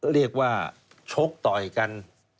เรียกว่าชกต่อยกัน